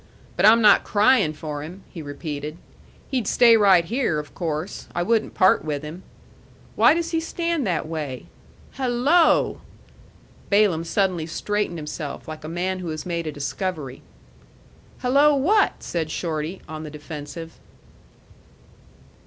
"But I'm not cryin' for him," he repeated. "He'd stay right here, of course. I wouldn't part with him. Why does he stand that way? Hello!" Balaam suddenly straightened himself, like a man who has made a discovery. "Hello, what?" said Shorty, on the defensive.